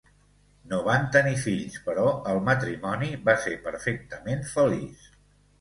No van tenir fills, però el matrimoni va ser perfectament feliç.